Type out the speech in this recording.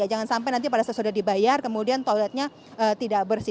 rasa sudah dibayar kemudian toiletnya tidak bersih